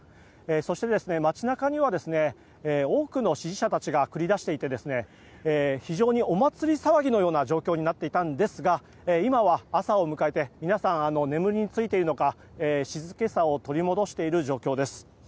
そして、街中には多くの支持者たちが繰り出していて非常にお祭り騒ぎのような状況になっていたんですが今は朝を迎えて皆さん、眠りについているのか静けさを取り戻している状況です。